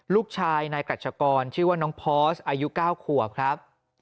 ลูกชายนายกรัชกรชื่อว่าน้องพอสอายุ๙ขวบครับ